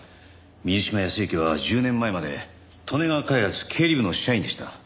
水島泰之は１０年前まで利根川開発経理部の社員でした。